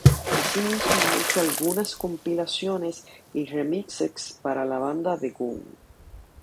Asimismo ha hecho algunas compilaciones y remixes para la banda The Go!